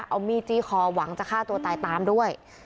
เอามีดจี้คอหวังจะฆ่าตัวตายตามด้วย